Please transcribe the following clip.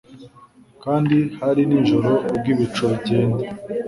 Kandi hari nijoro ubwo ibicu bigenda